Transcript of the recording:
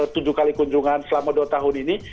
tujuh kali kunjungan selama dua tahun ini